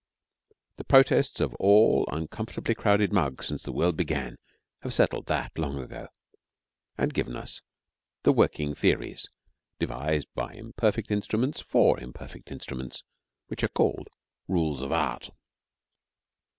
The protests of all uncomfortably crowded mugs since the world began have settled that long ago, and have given us the working theories, devised by imperfect instruments for imperfect instruments, which are called Rules of Art.